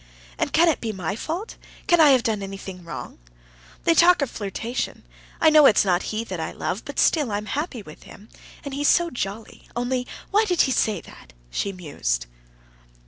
"And can it be my fault, can I have done anything wrong? They talk of flirtation. I know it's not he that I love; but still I am happy with him, and he's so jolly. Only, why did he say that?..." she mused.